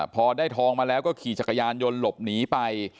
พอได้ทองมาแล้วก็ขี่จักรยานยนต์หลบหนีไป